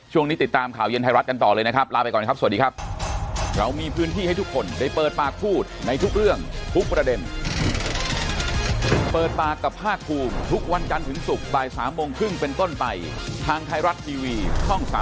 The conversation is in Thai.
ติดตามข่าวเย็นไทยรัฐกันต่อเลยนะครับลาไปก่อนครับสวัสดีครับ